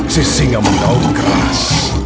si singa menolong keras